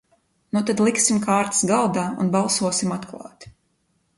Nu tad liksim kārtis galdā un balsosim atklāti!